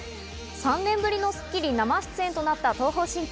３年ぶりの『スッキリ』生出演となった東方神起。